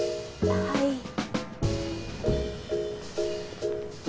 はい。